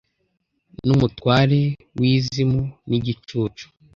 Numutware wizimu nigicucu